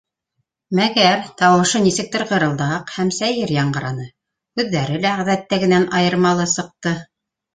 Мәгәр тауышы нисектер ғырылдаҡ һәм сәйер яңғыраны, һүҙҙәре лә ғәҙәттәгенән айырмалы сыҡты: